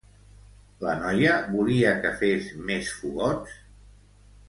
La noia volia que fes més fogots?